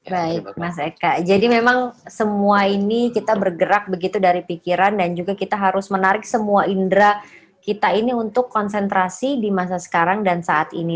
baik mas eka jadi memang semua ini kita bergerak begitu dari pikiran dan juga kita harus menarik semua indera kita ini untuk konsentrasi di masa sekarang dan saat ini